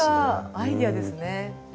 アイデアですね。